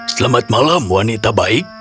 selamat malam wanita baik